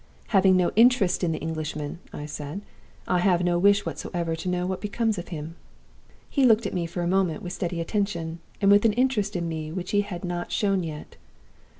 'Having no interest in the Englishman,' I said, 'I have no wish whatever to know what becomes of him.' "He looked at me for a moment with steady attention, and with an interest in me which he had not shown yet.